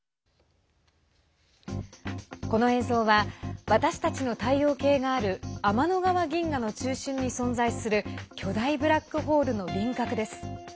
この映像は私たちの太陽系がある天の川銀河の中心に存在する巨大ブラックホールの輪郭です。